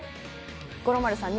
五郎丸さん。